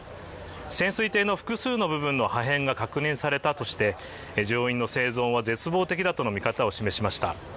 潜水艇の複数の部分の破片が確認されたとして乗員の生存は絶望的だとの見方を示しました。